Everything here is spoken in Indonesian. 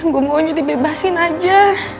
gue maunya dibebasin aja